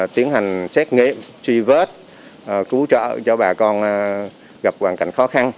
tiến hành xét nghiệm suy vớt cứu trợ cho bà con gặp hoàn cảnh khó khăn